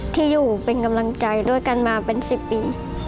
ที่อยู่เป็นกำลังใจด้วยกันมาเป็น๑๐ปี